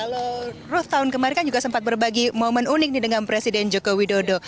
kalau ruh tahun kemarin kan juga sempat berbagi momen unik nih dengan presiden joko widodo